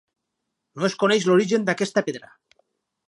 No es coneix l'origen d'aquesta pedra.